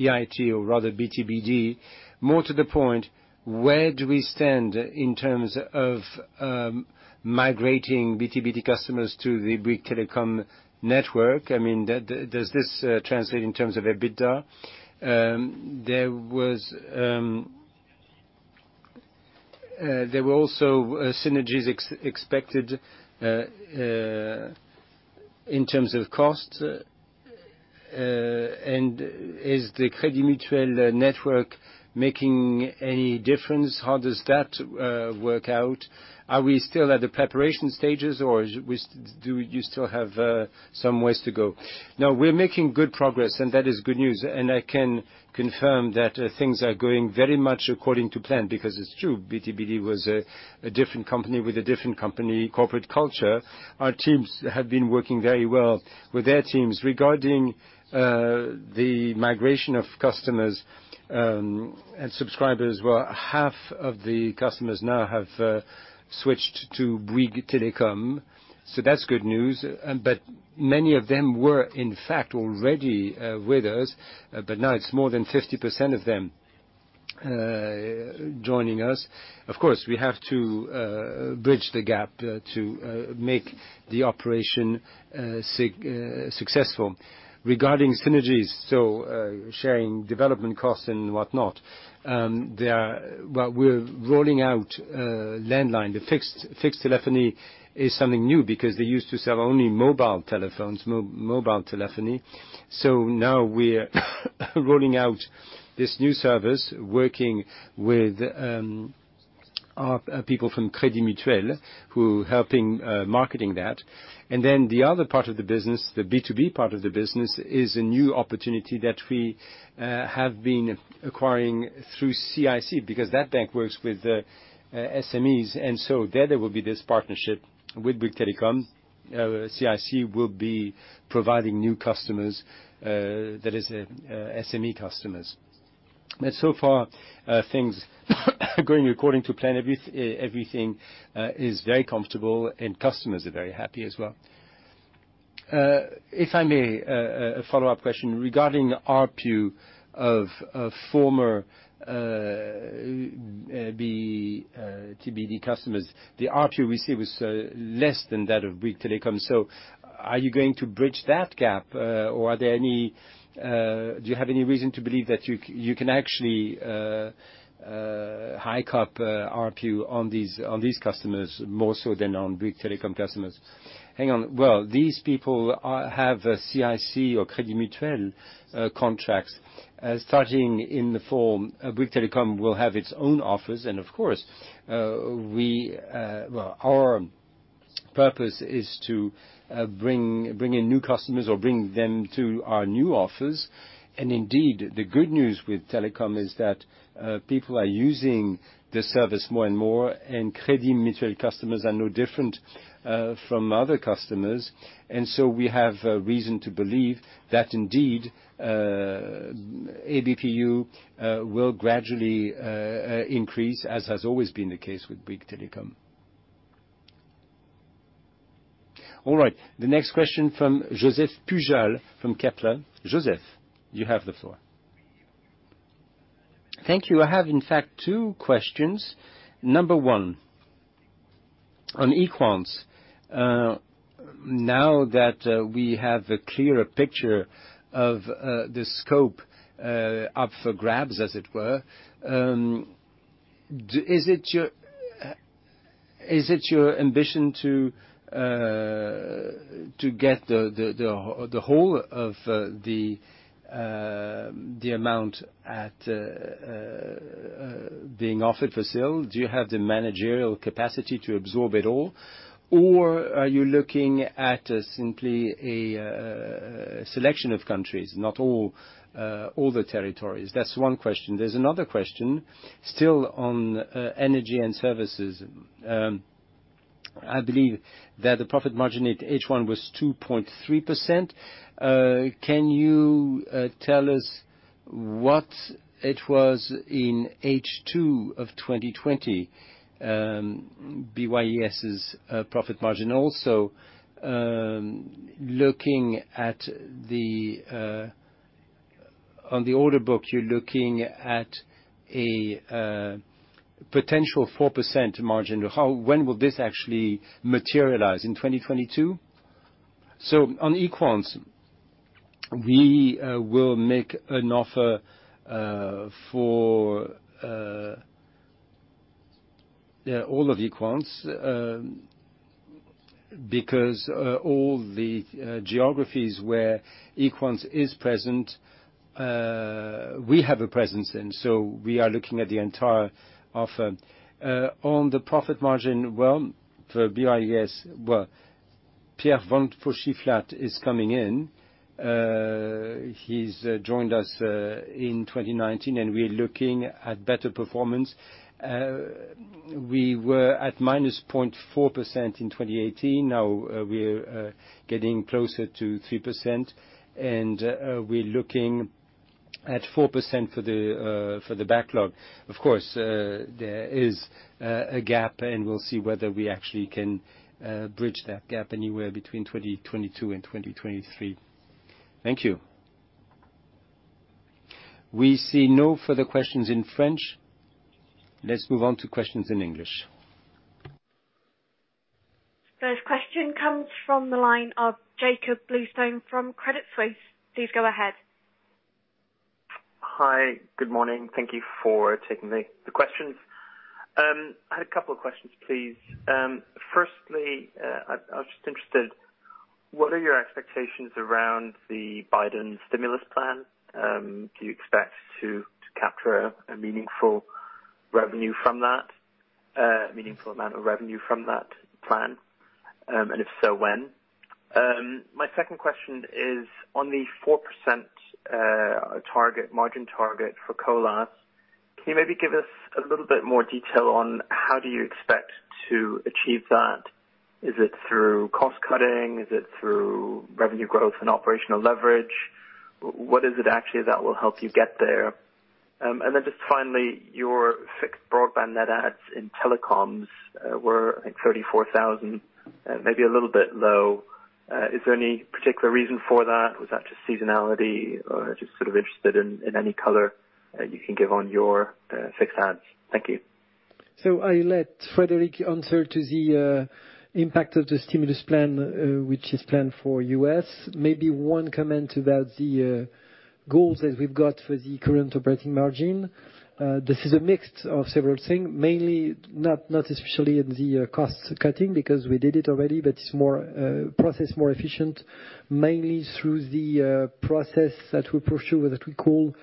EIT or rather BTBD? More to the point, where do we stand in terms of migrating BTBD customers to the Bouygues Telecom network? Does this translate in terms of EBITDA? There were also synergies expected in terms of cost. Is the Crédit Mutuel network making any difference? How does that work out? Are we still at the preparation stages, or do you still have some ways to go? Now, we're making good progress, and that is good news. I can confirm that things are going very much according to plan because it's true, BTBD was a different company with a different company corporate culture. Our teams have been working very well with their teams. Regarding the migration of customers and subscribers, well, half of the customers now have switched to Bouygues Telecom, so that's good news. Many of them were, in fact, already with us, but now it's more than 50% of them joining us. Of course, we have to bridge the gap to make the operation successful. Regarding synergies, so sharing development costs and whatnot. We're rolling out a landline. The fixed telephony is something new because they used to sell only mobile telephony. Now we're rolling out this new service, working with our people from Crédit Mutuel who are helping marketing that. The other part of the business, the B2B part of the business, is a new opportunity that we have been acquiring through CIC because that bank works with SMEs. There, there will be this partnership with Bouygues Telecom. CIC will be providing new customers, that is SME customers. So far, things are going according to plan. Everything is very comfortable, and customers are very happy as well. If I may, a follow-up question. Regarding ARPU of former BTBD customers, the ARPU we see was less than that of Bouygues Telecom. Are you going to bridge that gap? Do you have any reason to believe that you can actually hike up ARPU on these customers more so than on Bouygues Telecom customers? Hang on. Well, these people have CIC or Crédit Mutuel contracts. Starting in the fall, Bouygues Telecom will have its own offers. Of course, our purpose is to bring in new customers or bring them to our new offers. Indeed, the good news with telecom is that people are using the service more and more, and Crédit Mutuel customers are no different from other customers. So we have reason to believe that indeed, ABPU will gradually increase, as has always been the case with big telecom. All right, the next question from Josep Pujal from Kepler. Joseph, you have the floor. Thank you. I have in fact two questions. Number one, on Equans. Now that we have a clearer picture of the scope up for grabs, as it were. Is it your ambition to get the whole of the amount at being offered for sale? Do you have the managerial capacity to absorb it all, or are you looking at simply a selection of countries, not all the territories? That's one question. There's another question, still on energies and services. I believe that the profit margin at H1 was 2.3%. Can you tell us what it was in H2 of 2020, BYES' profit margin also? On the order book, you're looking at a potential 4% margin. When will this actually materialize, in 2022? On Equans, we will make an offer for all of Equans, because all the geographies where Equans is present, we have a presence in. We are looking at the entire offer. On the profit margin, well, for BYES, well, Pierre Vanstoflegatte is coming in. He's joined us in 2019, and we're looking at better performance. We were at -0.4% in 2018. Now we're getting closer to 3%, and we're looking at 4% for the backlog. Of course, there is a gap, and we'll see whether we actually can bridge that gap anywhere between 2022 and 2023. Thank you. We see no further questions in French. Let's move on to questions in English. First question comes from the line of Jakob Bluestone from Credit Suisse. Please go ahead. Hi. Good morning. Thank you for taking the questions. I had a couple of questions, please. I was just interested, what are your expectations around the Biden stimulus plan? Do you expect to capture a meaningful amount of revenue from that plan? If so, when? My second question is on the 4% margin target for Colas. Can you maybe give us a little bit more detail on how do you expect to achieve that? Is it through cost cutting? Is it through revenue growth and operational leverage? What is it actually that will help you get there? Just finally, your fixed broadband net adds in telecoms were, I think, 34,000, maybe a little bit low. Is there any particular reason for that? Was that just seasonality? Just sort of interested in any color you can give on your fixed adds. Thank you. I let Frédéric answer to the impact of the stimulus plan, which is planned for U.S. Maybe one comment about the goals that we've got for the current operating margin. This is a mix of several things, mainly not especially in the cost cutting, because we did it already, but it's process more efficient, mainly through the process that we pursue that we call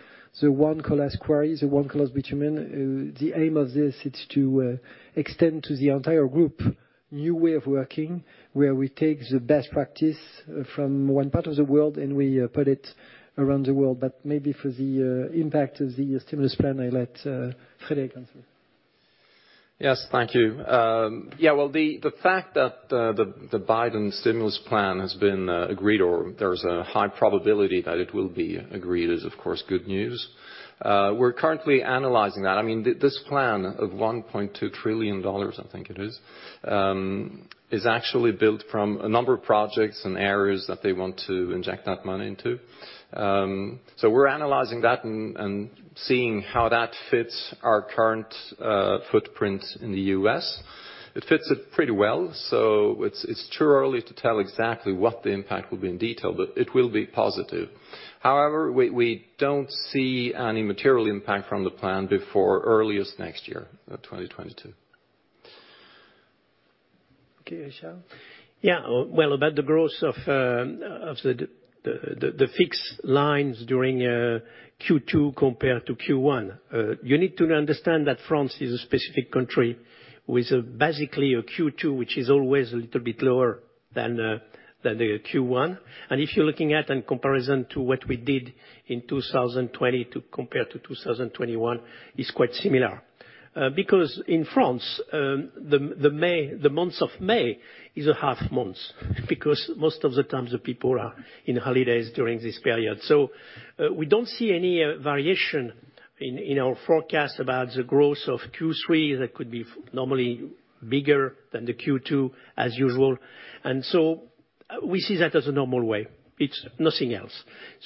the One Colas Quarry, the One Colas Bitumen. The aim of this is to extend to the entire group new way of working, where we take the best practice from one part of the world and we put it around the world. Maybe for the impact of the stimulus plan, I let Frédéric answer. The fact that the Biden stimulus plan has been agreed, or there's a high probability that it will be agreed, is of course, good news. We're currently analyzing that. This plan of $1.2 trillion, I think it is actually built from a number of projects and areas that they want to inject that money into. We're analyzing that and seeing how that fits our current footprint in the U.S. It fits it pretty well, so it's too early to tell exactly what the impact will be in detail, but it will be positive. However, we don't see any material impact from the plan before earliest next year, 2022. Okay, Richard? Yeah. Well, about the growth of the fixed lines during Q2 compared to Q1, you need to understand that France is a specific country with basically a Q2, which is always a little bit lower than the Q1. If you're looking at in comparison to what we did in 2020 compared to 2021, it's quite similar. In France, the month of May is a half month because most of the time the people are in holidays during this period. We don't see any variation in our forecast about the growth of Q3 that could be normally bigger than the Q2 as usual. We see that as a normal way. It's nothing else.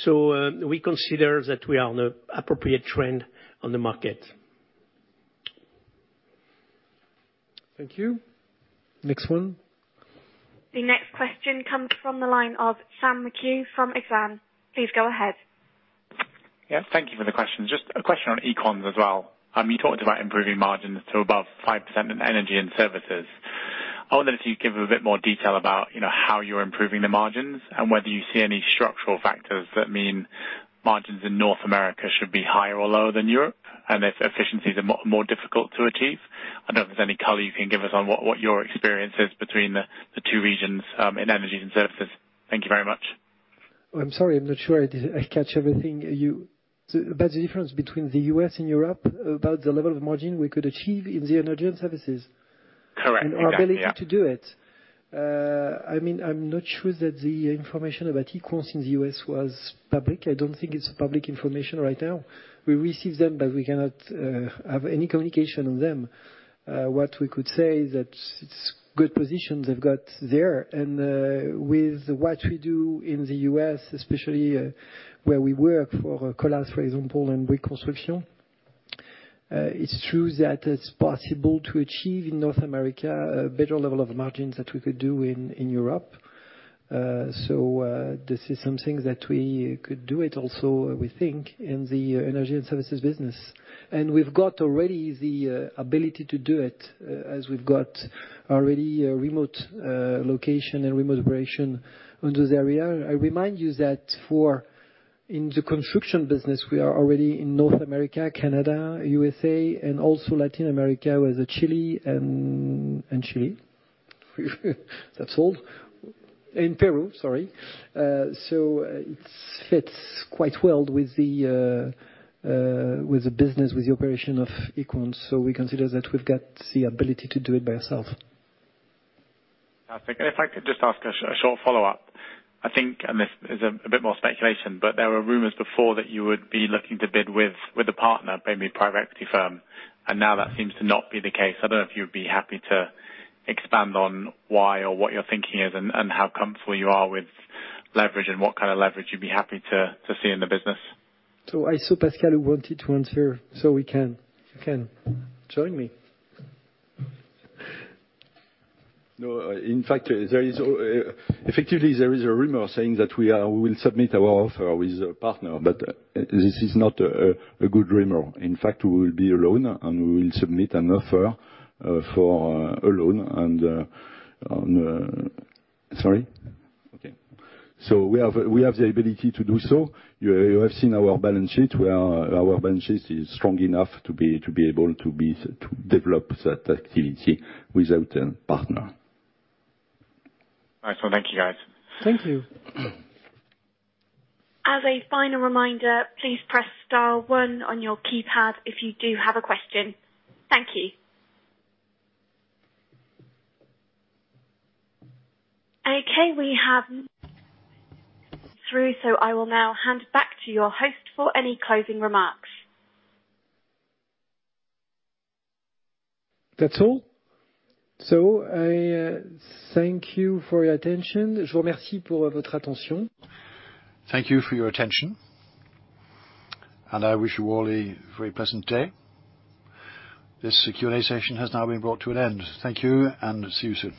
We consider that we are on the appropriate trend on the market. Thank you. Next one. The next question comes from the line of Sam McHugh from Exane. Please go ahead. Yeah. Thank you for the question. Just a question on Equans as well. You talked about improving margins to above 5% in energies and services. I wanted to give a bit more detail about how you're improving the margins and whether you see any structural factors that mean margins in North America should be higher or lower than Europe, and if efficiencies are more difficult to achieve. I don't know if there's any color you can give us on what your experience is between the two regions, in energies and services. Thank you very much. I'm sorry. I'm not sure I catch everything you asking about the difference between the U.S. and Europe about the level of margin we could achieve in the energies and services? Correct. Yeah. Our ability to do it? I'm not sure that the information about Equans in the U.S. was public. I don't think it's public information right now. We receive them, but we cannot have any communication on them. What we could say is that it's good positions they've got there. With what we do in the U.S., especially where we work for Colas, for example, and reconstruction, it's true that it's possible to achieve in North America a better level of margins that we could do in Europe. This is something that we could do it also, we think, in the energies and services business. We've got already the ability to do it, as we've got already a remote location and remote operation on this area. I remind you that in the construction business, we are already in North America, Canada, U.S.A., and also Latin America with Chile and Chile? That's all. Peru, sorry. It fits quite well with the business, with the operation of Equans. We consider that we've got the ability to do it by ourselves. Perfect. If I could just ask a short follow-up. I think, this is a bit more speculation, but there were rumors before that you would be looking to bid with a partner, maybe private equity firm, now that seems to not be the case. I don't know if you'd be happy to expand on why or what your thinking is and how comfortable you are with leverage and what kind of leverage you'd be happy to see in the business? I saw Pascal wanted to answer, so you can join me. In fact, effectively there is a rumor saying that we will submit our offer with a partner, but this is not a good rumor. In fact, we will be alone, and we will submit an offer for a loan. Sorry? Okay. We have the ability to do so. You have seen our balance sheet. Our balance sheet is strong enough to be able to develop that activity without a partner. All right. Well, thank you, guys. Thank you. As a final reminder, please press star one on your keypad if you do have a question. Thank you. Okay, we have through, so I will now hand back to your host for any closing remarks. That's all. I thank you for your attention. I wish you all a very pleasant day. This Q&A session has now been brought to an end. Thank you. See you soon.